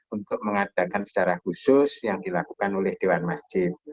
untuk mengadakan secara khusus yang dilakukan oleh dewan masjid